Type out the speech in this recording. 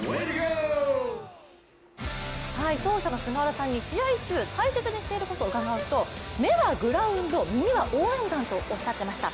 奏者の菅原さんに試合中、大切にしていることを伺うと、目はグラウンド耳は応援団とおっしゃっていました。